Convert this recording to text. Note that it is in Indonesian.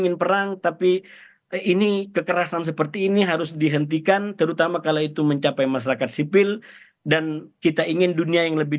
ini harus dihentikan terutama kalau itu mencapai masyarakat sipil dan kita ingin dunia yang lebih